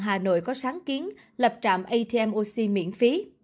hà nội có sáng kiến lập trạm atm oc miễn phí